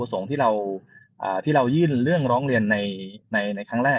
ผสมที่เราเอ่อที่เรายื่นเรื่องร้องเรียนในในในครั้งแรก